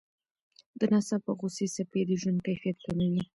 د ناڅاپه غوسې څپې د ژوند کیفیت کموي.